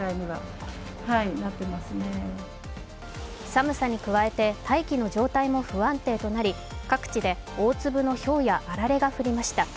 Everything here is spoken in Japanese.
寒さに比べて大気の状態も不安定となり各地で大粒のひょうやあられが降りました。